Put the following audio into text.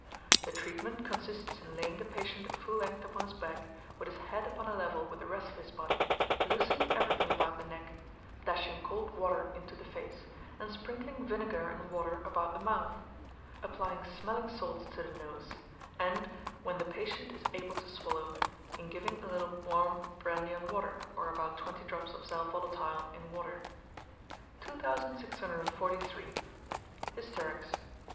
The treatment consists in laying the patient at full length upon his back, with his head upon a level with the rest of his body, loosening everything about the neck, dashing cold water into the face, and sprinkling vinegar and water about the mouth; applying smelling salts to the nose; and, when the patient is able to swallow, in giving a little warm brandy and water, or about 20 drops of sal volatile in water. 2643. Hysterics.